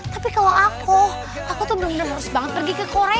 tapi kalau aku aku tuh bener bener harus banget pergi ke korea